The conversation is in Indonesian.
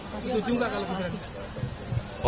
bapak setuju gak kalau gibran